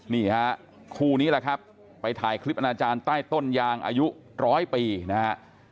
นี่ฮะคู่นี้แหละครับไปถ่ายคลิปอนาจารย์ใต้ต้นยางอายุร้อยปีนะฮะ